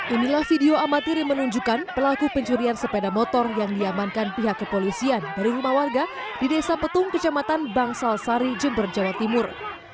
inilah video amatir yang menunjukkan pelaku pencurian sepeda motor yang diamankan pihak kepolisian dari rumah warga di desa petung kecamatan bangsal sari jember jawa timur